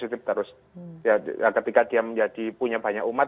ketika dia menjadi punya banyak umat